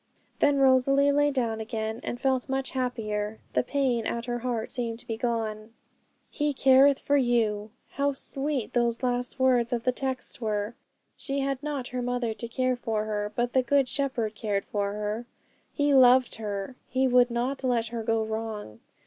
Then Rosalie lay down again, and felt much happier; the pain at her heart seemed to be gone. 'He careth for you.' How sweet those last words of the text were! She had not her mother to care for her, but the Good Shepherd cared for her; He loved her; He would not let her go wrong.